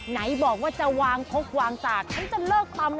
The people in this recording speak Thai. ไหนบอกว่าจะวางคล็อกวางสัตว์ฉันจะเลิกทำแล้ว